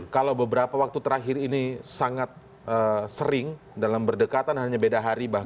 kalau beberapa waktu terakhir ini sangat sering dalam berdekatan hanya beda hari bahkan